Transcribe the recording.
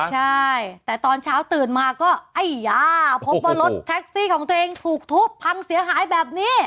ใช่แต่ตอนเช้าตื่นมาก็ไอ้ยาพบว่ารถแท็กซี่ของตัวเองถูกทุบพังเสียหายแบบนี้